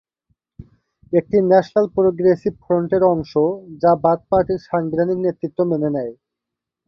একটি national progressive ফ্রন্টের অংশ যা বাথ পার্টির সাংবিধানিক নেতৃত্ব মেনে নেয়।